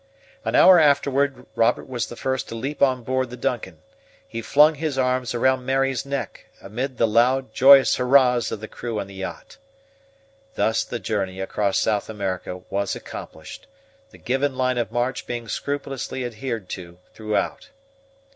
An hour afterward Robert was the first to leap on board the DUNCAN. He flung his arms round Mary's neck, amid the loud, joyous hurrahs of the crew on the yacht. Thus the journey across South America was accomplished, the given line of march being scrupulously adhered to throughout.